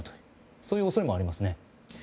そういう恐れもありますね。